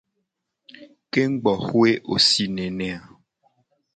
Kengugboxue wo le sii nene a?